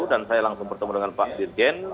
dan saya langsung bertemu dengan pak dirjen